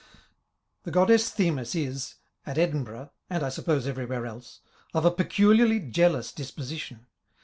The goddess Themis is, at Edin burgh, and I suppose everywhere else, of a peculiarly jealous disposition.